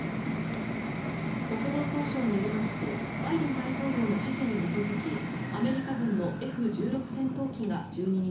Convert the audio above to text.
国防総省によりますとバイデン大統領の指示に基づきアメリカ軍のＦ１６戦闘機が１２日